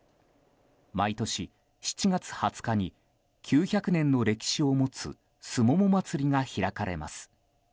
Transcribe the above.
毎年７月２０日に９００年の歴史を持つすもも祭が開かれます。